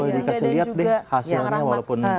mungkin boleh dikasih lihat deh hasilnya walaupun baru setelah